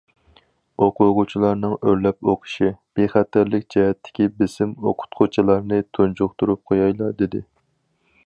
ئوقۇغۇچىلارنىڭ ئۆرلەپ ئوقۇشى، بىخەتەرلىكى جەھەتتىكى بېسىم ئوقۇتقۇچىلارنى تۇنجۇقتۇرۇپ قويايلا دېدى.